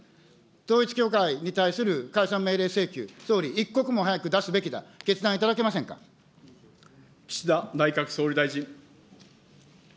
統一教会に対する解散命令請求、総理、一刻も早く出すべきだ、岸田内閣総理大臣。